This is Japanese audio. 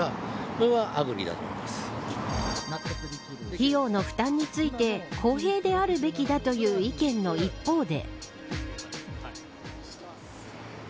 費用の負担について公平であるべきだという意見の一方で。